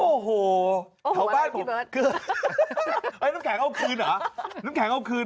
โอ้โหถ่าวบ้านผมน้ำแข็งเอาคืนหรอ